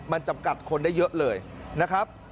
มันจำกัดคนได้เยอะเลยนะครับ